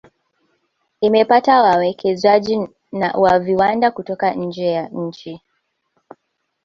Imepata wawekezaji wa viwanada kutoka nje ya nchi